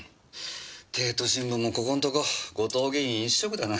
『帝都新聞』もここんとこ後藤議員一色だな。